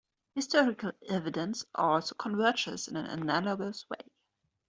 Historical evidence also converges in an analogous way.